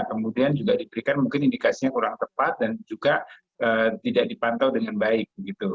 kemudian juga diberikan mungkin indikasinya kurang tepat dan juga tidak dipantau dengan baik